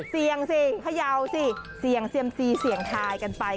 เสี่ยงสิเขย่าสิเสี่ยงเซียมซีเสี่ยงทายกันไป